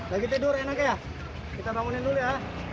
lagi tidur enak ya kita bangunin dulu ya